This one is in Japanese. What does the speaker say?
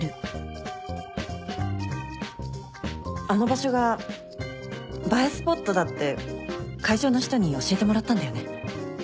あの場所が映えスポットだって会場の人に教えてもらったんだよね。